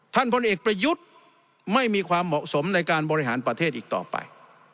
พลเอกประยุทธ์ไม่มีความเหมาะสมในการบริหารประเทศอีกต่อไป